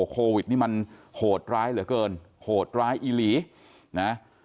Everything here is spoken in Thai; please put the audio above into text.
โควิดนี่มันโหดร้ายเหลือเกินโหดร้ายอีหลีนะ